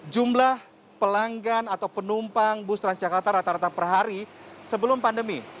jumlah pelanggan atau penumpang bus transjakarta rata rata per hari sebelum pandemi